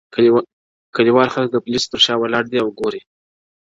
کليوال خلک د پوليسو تر شا ولاړ دي او ګوري-